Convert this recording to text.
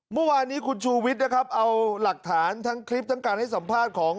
เมื่อวานนี้คุณชูวิทย์นะครับเอาหลักฐานทั้งคลิปทั้งการให้สัมภาษณ์ของ